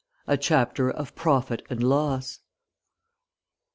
A CHAPTER OF PROFIT AND LOSS.